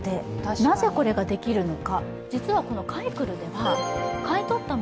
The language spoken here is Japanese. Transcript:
なぜこれができるのか。